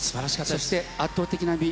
そして、圧倒的な美。